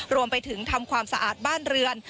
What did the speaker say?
รวมไปถึงทำความสะอาดบ้านเรือน